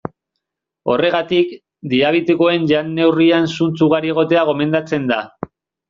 Horregatik, diabetikoen jan-neurrian zuntz ugari egotea gomendatzen da.